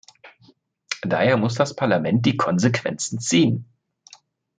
Daher muss das Parlament die Konsequenzen ziehen!